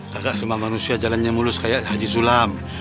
kakak semua manusia jalannya mulus kayak haji sulam